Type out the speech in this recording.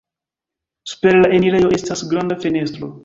Super la enirejo estas granda fenestro.